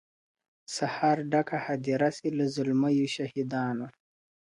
سهار ډکه هدیره سي له زلمیو شهیدانو `